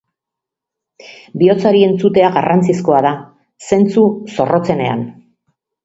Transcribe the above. Bihotzari entzutea garrantzizkoa da, zentzu zorrotzenean.